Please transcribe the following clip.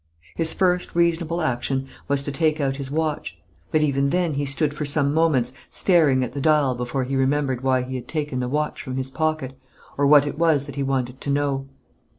His first reasonable action was to take out his watch; but even then he stood for some moments staring at the dial before he remembered why he had taken the watch from his pocket, or what it was that he wanted to know.